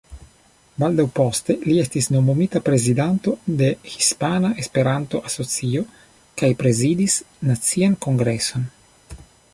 Baldaŭ poste li estis nomumita prezidanto de Hispana Esperanto-Asocio kaj prezidis nacian Kongreson.